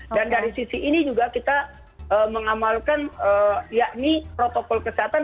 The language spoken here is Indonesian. dan dari sisi ini juga kita mengamalkan protokol kesehatan